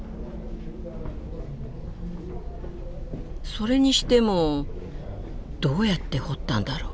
それにしてもどうやって掘ったんだろう？